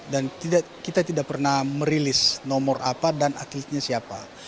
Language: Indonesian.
kita tidak pernah merilis nomor apa dan atletnya siapa